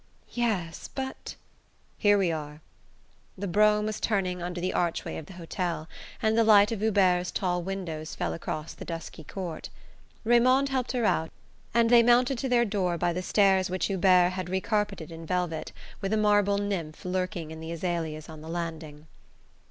"Yes, but " "Here we are." The brougham was turning under the archway of the hotel, and the light of Hubert's tall windows fell across the dusky court. Raymond helped her out, and they mounted to their door by the stairs which Hubert had recarpeted in velvet, with a marble nymph lurking in the azaleas on the landing.